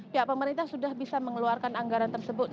pihak pemerintah sudah bisa mengeluarkan anggaran tersebut